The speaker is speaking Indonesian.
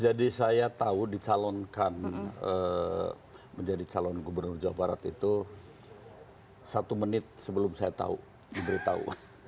jadi saya tahu dicalonkan menjadi calon gubernur jawa barat itu satu menit sebelum saya tahu diberitahu